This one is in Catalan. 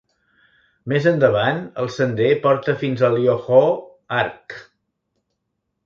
Més endavant, el sender porta fins al Yahoo Arch.